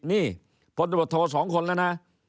นี่พนับโทร๒คนแล้วนะ